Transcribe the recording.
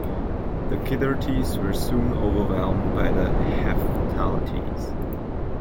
The Kidarites were soon overwhelmed by the Hephthalites.